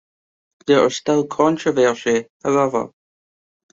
There still is controversy, however.